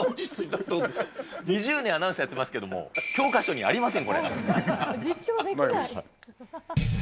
２０年、アナウンサーやってますけれども、教科書にありません、これ。